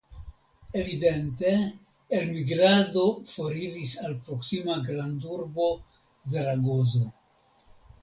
Evidente elmigrado foriris al proksima grandurbo Zaragozo.